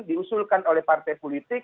diusulkan oleh partai politik